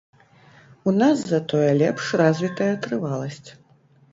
У нас затое лепш развітая трываласць.